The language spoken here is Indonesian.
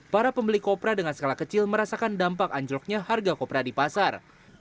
para pembeli kopra dengan skala kecil merasakan dampak anjloknya harga kopra di pasar